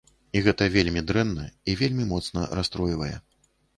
І гэта вельмі дрэнна і вельмі моцна расстройвае.